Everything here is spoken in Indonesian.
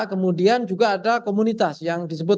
kemudian juga ada komunitas yang disebut